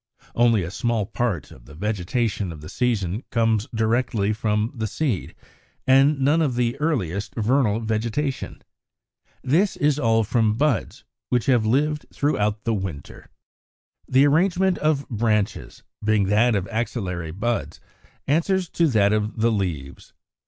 Only a small part of the vegetation of the season comes directly from the seed, and none of the earliest vernal vegetation. This is all from buds which have lived through the winter. 54. =The Arrangement of Branches=, being that of axillary buds, answers to that of the leaves.